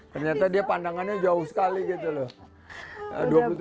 ternyata dia pandangannya jauh sekali gitu loh